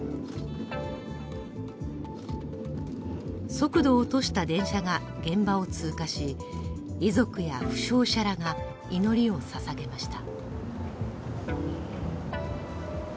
速度を落とした電車が現場を通過し、遺族や負傷者らが祈りをささげました。